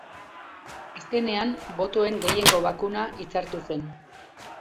Azkenean, botoen gehiengo bakuna hitzartu zen.